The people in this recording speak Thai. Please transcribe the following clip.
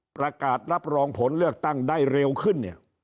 ประกาศรับรองผลเลือกตั้งได้เร็วขึ้นเนี่ย